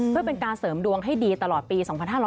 เพื่อเป็นการเสริมดวงให้ดีตลอดปี๒๕๖๐